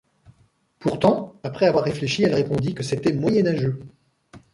Pourtant, après avoir réfléchi, elle répondit que c’était « moyenâgeux ».